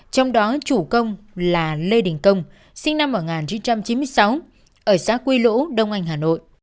trong đó chủ công là lê đình công sinh năm một nghìn chín trăm chín mươi sáu ở xã quy lũ đông anh hà nội